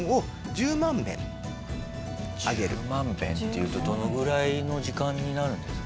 １０万遍っていうとどのぐらいの時間になるんですか？